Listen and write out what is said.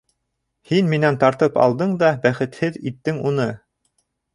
Һин минән тартып алдың да бәхетһеҙ иттең уны.